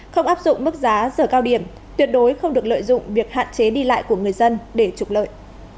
không áp dụng mức giá giờ cao điểm tuyệt đối không được lợi dụng việc hạn chế đi lại của người dân để trục lợi